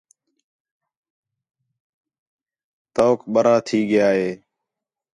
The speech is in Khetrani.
توک بَرا تھئی ڳیا ہے